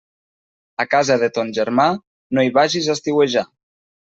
A casa de ton germà, no hi vagis a estiuejar.